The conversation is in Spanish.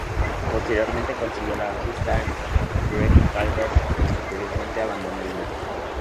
Posteriormente consiguió al bajista Greg Calvert, quien posteriormente abandonó el grupo.